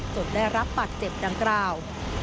จนได้รับบาดเจ็บดังกราว